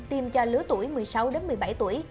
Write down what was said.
tiêm cho lứa tuổi một mươi sáu một mươi bảy tuổi